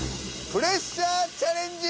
プレッシャーチャレンジ！